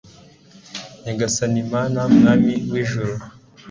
nyagasani mana mwami w'ijuru